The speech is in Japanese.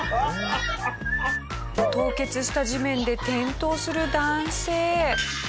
凍結した地面で転倒する男性。